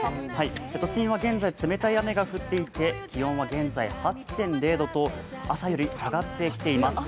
都心は現在冷たい雨が降っていて気温は現在８．０度と朝より下がってきています。